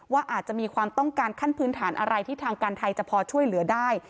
ว่าอาจจะมีความต้องการขั้นพื้นฐานอะไรที่ทางการไทยจะพอช่วยเหลือได้